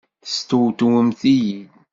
Testewtwemt-iyi!